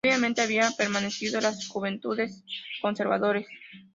Previamente había pertenecido a las Juventudes Conservadores.